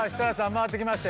回ってきました